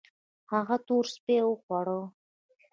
هغه تور سپي وخواړه